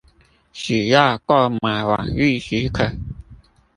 只要購買網域即可